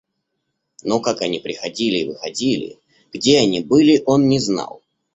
Но как они приходили и выходили, где они были, он не знал.